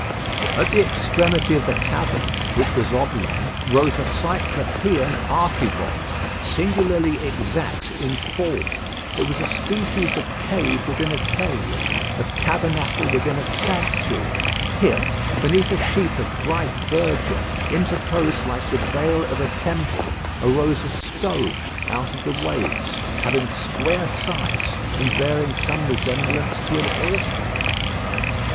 At the extremity of the cavern, which was oblong, rose a Cyclopean archivolte, singularly exact in form. It was a species of cave within a cave, of tabernacle within a sanctuary. Here, behind a sheet of bright verdure, interposed like the veil of a temple, arose a stone out of the waves, having square sides, and bearing some resemblance to an altar.